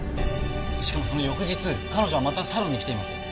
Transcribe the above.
しかもその翌日彼女はまたサロンに来ています。